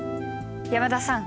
山田さん